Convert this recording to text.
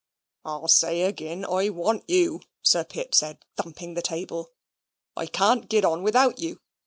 "I say agin, I want you," Sir Pitt said, thumping the table. "I can't git on without you.